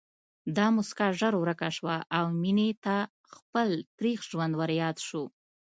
دا مسکا ژر ورکه شوه او مينې ته خپل تريخ ژوند ورياد شو